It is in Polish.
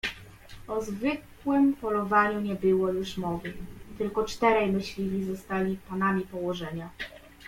"O zwykłem polowaniu nie było już mowy, tylko czterej myśliwi zostali panami położenia."